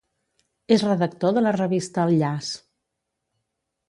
És redactor de la revista El Llaç.